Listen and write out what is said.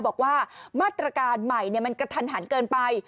บอกว่ามาตรการใหม่มันกระทันหันเกินไป